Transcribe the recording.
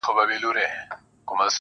بس ژونده همدغه دی، خو عیاسي وکړه~